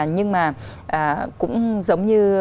nhưng mà cũng giống như